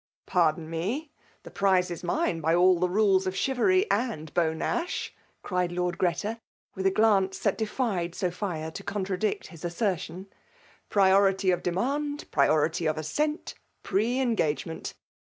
Pardon me !— the prize is mine by all the raloB of chivalry and Beau Ncuh f* cried Lord Greta, with a ^ance that defied Sophia to con^ tcadiot his assertion. "PHority of demand, priority of assent, pre engagement